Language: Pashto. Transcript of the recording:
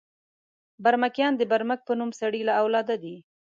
برمکیان د برمک په نوم سړي له اولاده دي.